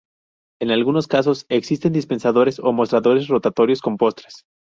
En algunos casos existen dispensadores o mostradores rotatorios con postres.